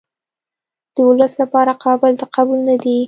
د ولس لپاره قابل د قبول نه دي.